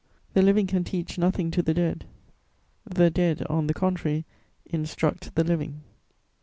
The living can teach nothing to the dead; the dead, on the contrary, instruct the living.